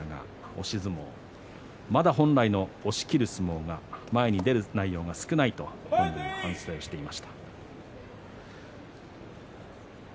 押し相撲まだ本来の押しきる相撲が前に出る内容が少ないと本人は反省していました。